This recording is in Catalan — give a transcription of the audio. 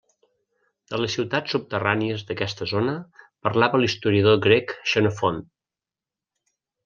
De les ciutats subterrànies d'aquesta zona parlava l'historiador grec Xenofont.